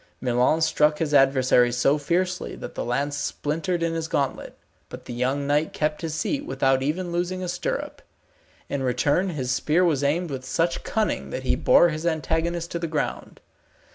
Milon struck his adversary so fiercely, that the lance splintered in his gauntlet; but the young knight kept his seat without even losing a stirrup. In return his spear was aimed with such cunning that he bore his antagonist to the ground.